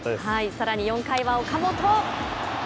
さらに４回は岡本。